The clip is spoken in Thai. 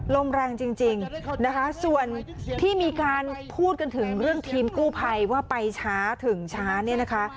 ลมแรงจริงนะคะส่วนที่มีการพูดกันถึงเรื่องทีมกู้ภัยว่าไปช้าถึงช้าเนี่ยนะคะ